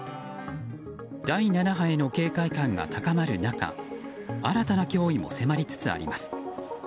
第７波への警戒感が高まる中新たな脅威も迫りつつあります。